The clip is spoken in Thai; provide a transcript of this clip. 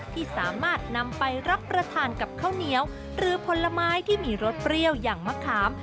ที่สามารถนำไปรับประทานกับข้าวเหนียวหรือผลไม้ที่มีรสเปรี้ยวอย่างมะขาม